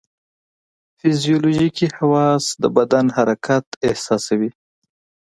فزیولوژیکي حواس د بدن حرکت احساسوي.